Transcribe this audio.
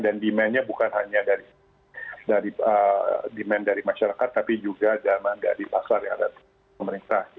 dan demandnya bukan hanya dari demand dari masyarakat tapi juga dari pasar yang ada di pemerintah